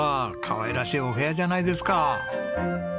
かわいらしいお部屋じゃないですか。